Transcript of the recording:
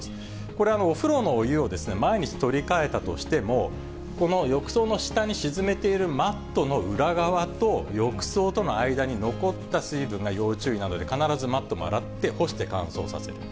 これ、お風呂のお湯を毎日取り替えたとしても、この浴槽の下に沈めているマットの裏側と浴槽との間に残った水分が要注意なので、必ずマットも洗って干して乾燥させる。